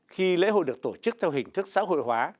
khi lễ hội được tổ chức theo hình thức xã hội hóa